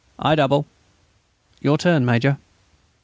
"I double." "Your turn, Major."